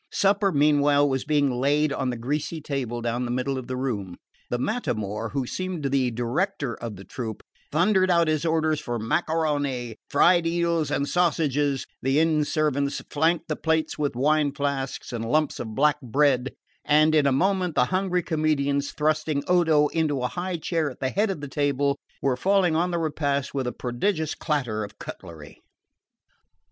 Supper meanwhile was being laid on the greasy table down the middle of the room. The Matamor, who seemed the director of the troupe, thundered out his orders for maccaroni, fried eels and sausages; the inn servants flanked the plates with wine flasks and lumps of black bread, and in a moment the hungry comedians, thrusting Odo into a high seat at the head of the table, were falling on the repast with a prodigious clatter of cutlery.